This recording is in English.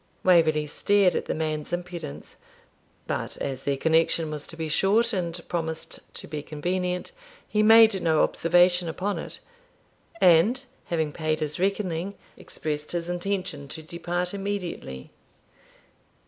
Waverley stared at the man's impudence, but, as their connection was to be short and promised to be convenient, he made no observation upon it; and, having paid his reckoning, expressed his intention to depart immediately.